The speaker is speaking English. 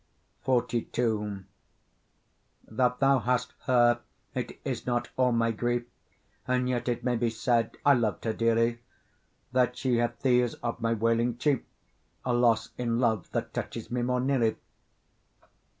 XLII That thou hast her it is not all my grief, And yet it may be said I loved her dearly; That she hath thee is of my wailing chief, A loss in love that touches me more nearly.